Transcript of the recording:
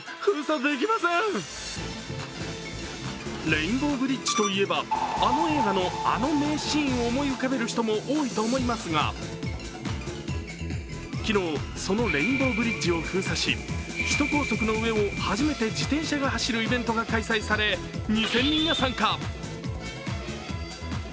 レインボーブリッジといえばあの映画のあの名シーンを思い浮かべる人も多いと思いますが、昨日、そのレインボーブリッジを封鎖し首都高速の上を初めて自転車が走るイベントが開催され２０００人が参加。